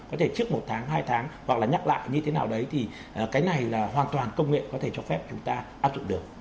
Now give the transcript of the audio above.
có thể trước một tháng hai tháng hoặc là nhắc lại như thế nào đấy thì cái này là hoàn toàn công nghệ có thể cho phép chúng ta áp dụng được